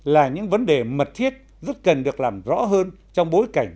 là những vấn đề mật thiết rất cần được làm rõ hơn trong bối cảnh